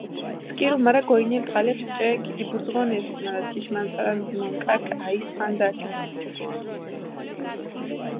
სქირუ, მარა გოჸინილ დღალეფს ჭე ქიდიბურძღონეს, მარა თიშ მანწარა მონკაქ აჸის ხანდაქ.